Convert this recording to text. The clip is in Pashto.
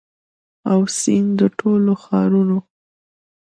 او س د ټولو ښارونو